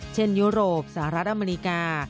ยุโรปสหรัฐอเมริกา